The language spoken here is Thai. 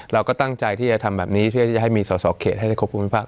เราก็ตั้งใจที่จะทำแบบนี้เพื่อที่จะให้มีสอสอเขตให้ได้ครบภูมิภาค